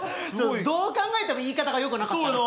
どう考えても言い方がよくなかったな。